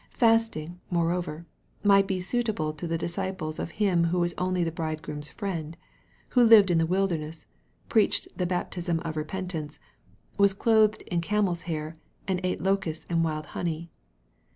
Fasting, moreover, might be suitable to the disciples of Mm who was only the Bridegroom's friend, who lived iii the wilderness, preached the baptism of repentance, was clothed in camel's hair, and ate locusts and wild honey.